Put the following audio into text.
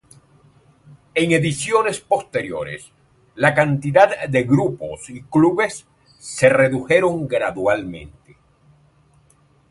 En ediciones posteriores, la cantidad de grupos y clubes se redujeron gradualmente.